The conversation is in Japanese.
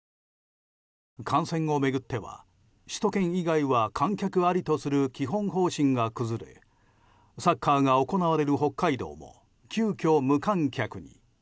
観戦を巡っては首都圏以外は観客ありとする基本方針が崩れサッカーが行われる北海道も急きょ無観客に。